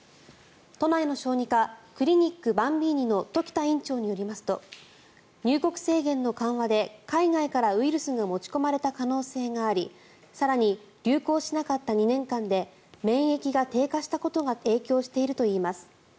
都内の小児科クリニックばんびぃにの時田院長によりますと入国制限の緩和で海外からウイルスが持ち込まれた可能性があり更に、流行しなかった２年間で免疫が低下したことが影響しているといいます。